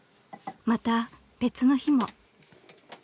［また別の日も］